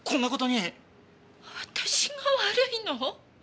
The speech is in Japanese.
私が悪いの？